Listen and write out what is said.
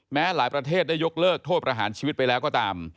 แม้หลายประเทศได้ยกเลิกโทษประหารชีวิตไปแล้วก็ตาม